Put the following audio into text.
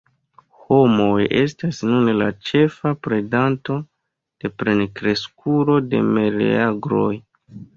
Homoj estas nune la ĉefa predanto de plenkreskulo de meleagroj.